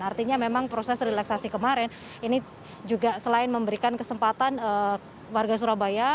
artinya memang proses relaksasi kemarin ini juga selain memberikan kesempatan warga surabaya